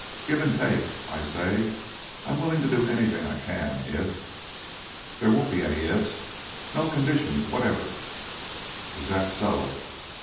"Give and take, I say. I'm willing to do anything I can, if " "There won't be any 'ifs'! No conditions whatever." "Is that so?"